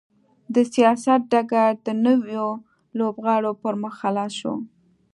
د سیاست ډګر د نویو لوبغاړو پر مخ خلاص شو.